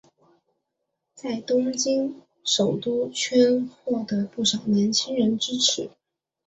在东京首都圈获得不少年轻人支持。